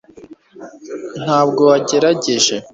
ntabwo wagerageje